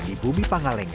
di buku atlet lari nasional